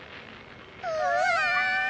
うわ！